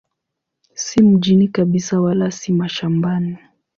Si mjini kabisa wala si mashambani.